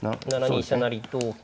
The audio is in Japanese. ７二飛車成同金。